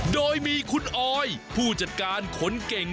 โดยมีคุณออยผู้จัดการคนเก่ง